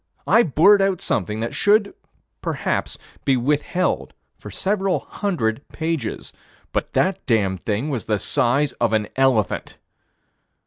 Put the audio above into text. I blurt out something that should, perhaps, be withheld for several hundred pages but that damned thing was the size of an elephant.